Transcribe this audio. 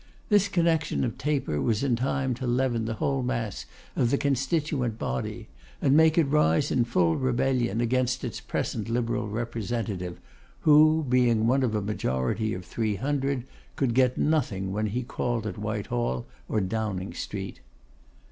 This connection of Taper was in time to leaven the whole mass of the constituent body, and make it rise in full rebellion against its present liberal representative, who being one of a majority of three hundred, could get nothing when he called at Whitehall or Downing Street.